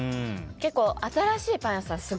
結構新しいパン屋さん